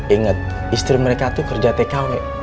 ingat istri mereka itu kerja tkw